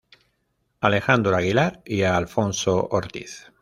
Alejandro Aguilar y Alfonso Ortiz.